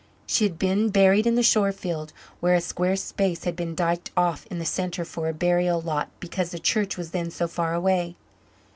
She had been buried in the shore field, where a square space had been dyked off in the centre for a burial lot because the church was then so far away.